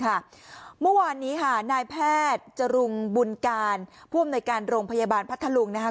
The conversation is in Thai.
เมื่อวานนี้ค่ะนายแพทย์จรุงบุญการผู้อำนวยการโรงพยาบาลพัทธลุงนะคะ